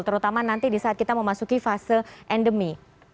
terutama nanti di saat kita memasuki fase endemi